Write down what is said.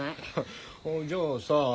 おじゃあさ。